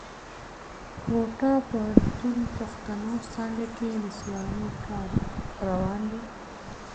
کوټه پوهنتون پښتو څانګه کښي د څېړني کار روان دی.